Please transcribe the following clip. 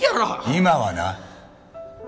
今はな。